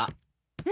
え？